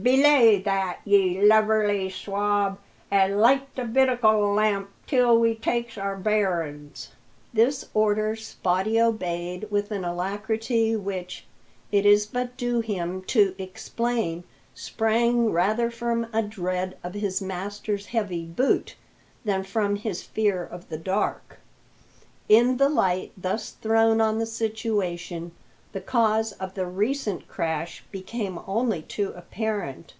Belay that, ye lubberly swab, an' light the binnacle lamp till we takes our bearin's." This order Spottie obeyed with an alacrity which, it is but due to him to explain, sprang rather from a dread of his master's heavy boot than from his fear of the dark. In the light thus thrown on the situation, the cause of the recent crash became only too apparent.